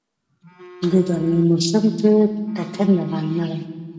د ګرمی موسم کې ټکنده غرمه وه.